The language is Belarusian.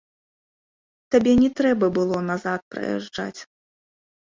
Табе не трэба было назад прыязджаць.